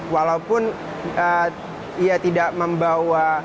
walaupun dia tidak membawa